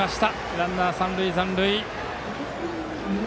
ランナーは三塁残塁。